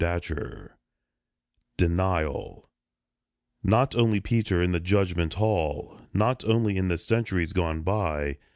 DENIAL 71 DENIAL NOT only Peter in the judgment hall, Not only in the centuries gone by